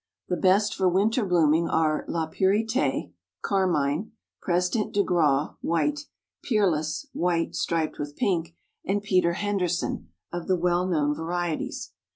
The best for winter blooming are La Purite (carmine), President de Graw (white), Peerless (white, striped with pink) and Peter Henderson, of the well known varieties.